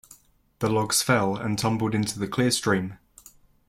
The logs fell and tumbled into the clear stream.